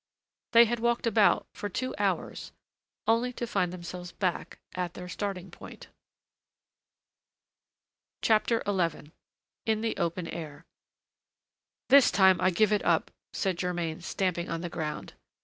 They had walked about for two hours, only to find themselves back at their starting point. XI IN THE OPEN AIR "This time I give it up!" said Germain, stamping on the ground.